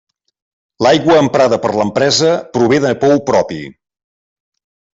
L'aigua emprada per l'empresa prové de pou propi.